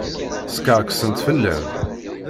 Skerksent fell-am.